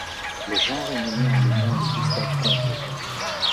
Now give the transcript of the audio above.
Le genre est nommé en l'honneur de Gustav Conrau.